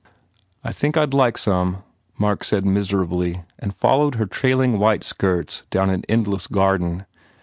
"I think I d like some," Mark said miserably and followed her trailing, white skirts down an endless garden.